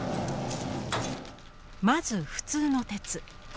まず普通の鉄。